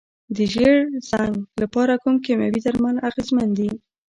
د ژیړ زنګ لپاره کوم کیمیاوي درمل اغیزمن دي؟